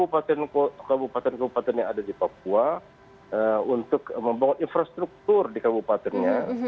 kabupaten kabupaten yang ada di papua untuk membangun infrastruktur di kabupatennya